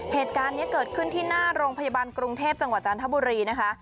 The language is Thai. เหตุการณ์นี้เกิดขึ้นที่หน้าโรงพยาบาลกรุงเทพจังหวัดจันทบุรีนะคะ